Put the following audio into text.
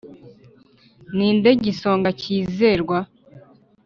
Ni nde gisonga cyizerwa‽